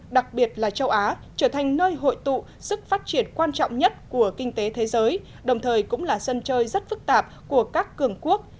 đặc biệt là châu á trở thành nơi hội tụ sức phát triển quan trọng nhất của kinh tế thế giới đồng thời cũng là sân chơi rất phức tạp của các cường quốc